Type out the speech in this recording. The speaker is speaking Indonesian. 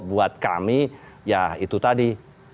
buat kami ya itu tadi